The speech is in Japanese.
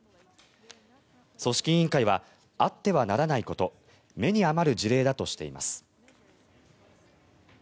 組織委員会はあってはならないこと目に余る事例だとしています。